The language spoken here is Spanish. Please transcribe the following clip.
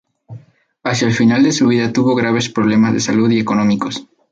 Hacia el final de su vida tuvo graves problemas de salud y económicos.